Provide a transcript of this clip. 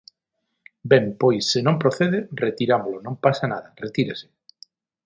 Ben, pois, se non procede, retirámolo, non pasa nada, retírase.